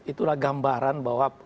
itulah gambaran bahwa